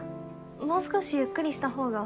もう少しゆっくりしたほうが。